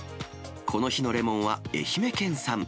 この日のレモンは愛媛県産。